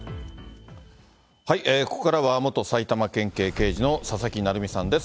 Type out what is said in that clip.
ここからは元埼玉県警刑事の佐々木成三さんです。